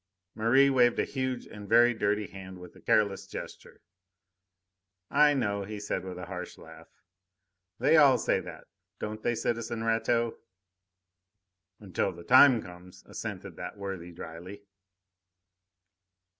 Merri waved a huge and very dirty hand with a careless gesture. "I know," he said with a harsh laugh. "They all say that, don't they, citizen Rateau?" "Until the time comes," assented that worthy dryly.